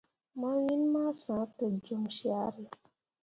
Ma win ma sah te jon carré.